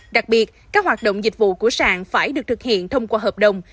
đặc biệt các hoạt động dịch vụ của sàn phải được thực hiện thông qua hợp đồng